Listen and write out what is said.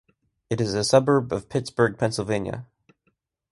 It is a suburb of Pittsburgh, Pennsylvania.